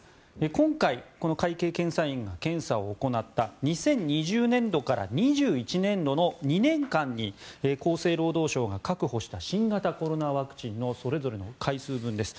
今回、この会計検査院が検査を行った２０２０年度から２１年度の２年間に厚生労働省が確保した新型コロナワクチンのそれぞれの回数分です。